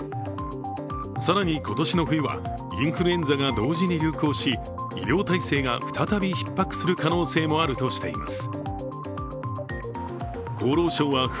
更に今年の冬はインフルエンザが同時に流行し医療体制が再びひっ迫する可能性もあるとしています。